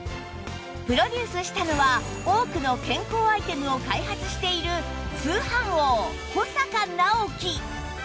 プロデュースしたのは多くの健康アイテムを開発している通販王保阪尚希